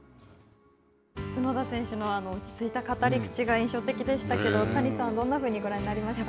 角田選手の落ち着いた語り口が印象的でしたけど、谷さんはどんなふうにご覧になりましたか。